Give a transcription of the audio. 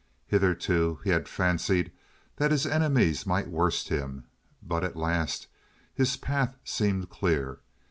Hitherto he had fancied that his enemies might worst him, but at last his path seemed clear.